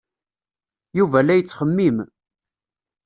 Yuba la yettxemmim.